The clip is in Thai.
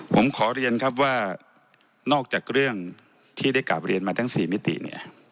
ผมขอเรียนครับว่านอกจากเรื่องที่ได้กราบเรียนมาทั้ง๔มิติเนี่ย